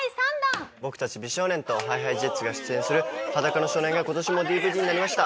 僕たち美少年とＨｉＨｉＪｅｔｓが出演する『裸の少年』が今年もＤＶＤになりました。